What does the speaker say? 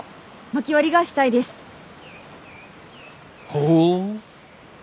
ほう。